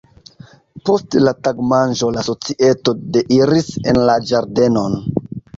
Post la tagmanĝo la societo deiris en la ĝardenon.